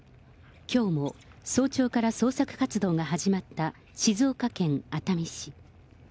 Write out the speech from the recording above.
きょうも早朝から捜索活動が始まった静岡県熱海市。